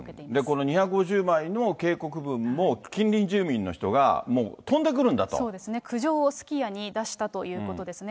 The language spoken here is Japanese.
この２５０枚の警告文も近隣住民の人が、もう飛んでくるんだそうですね、苦情をすき家に出したということですね。